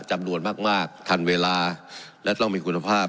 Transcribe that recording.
จำนวนมากทันเวลาและต้องมีคุณภาพ